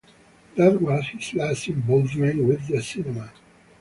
That was his last involvement with the cinema.